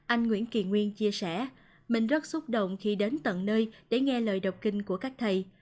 anh nguyễn kỳ nguyên chia sẻ mình rất xúc động khi đến tận nơi để nghe lời đọc kinh của các thầy